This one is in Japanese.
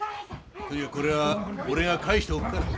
とにかくこれは俺が返しておくから。